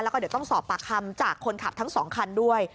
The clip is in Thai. แล้วก็เดี๋ยวต้องสอบปากคำจากคนขับทั้งสองคันด้วย